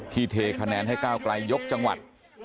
เทคะแนนให้ก้าวไกลยกจังหวัด